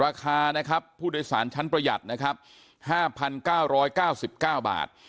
ราคานะครับผู้โดยสารชั้นประหยัดนะครับห้าพันเก้าร้อยเก้าสิบเก้าบาท